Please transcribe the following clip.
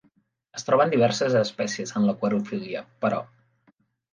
Es troben diverses espècies en l'aquariofília, però.